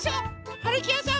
はるきやさん